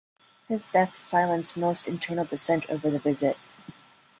His death silenced most internal dissent over the visit.